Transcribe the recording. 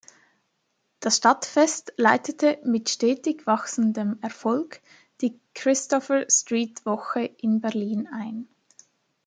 Das Stadtfest leitet mit stetig wachsendem Erfolg die Christopher-Street-Woche in Berlin ein.